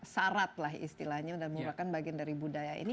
syarat lah istilahnya dan merupakan bagian dari budaya ini